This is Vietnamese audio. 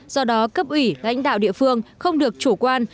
do đó cấp ủy lãnh đạo địa phương không được chủ quan